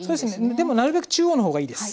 でもなるべく中央の方がいいです。